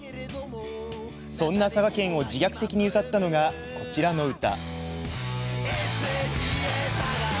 そんな佐賀県を自虐的に歌ったのが、こちらの歌。